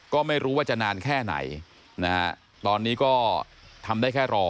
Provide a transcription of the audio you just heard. ก็ไม่รู้ว่าจะนานแค่ไหนนะฮะตอนนี้ก็ทำได้แค่รอ